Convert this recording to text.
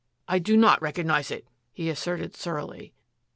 " I do not recognise it," he asserted surlily.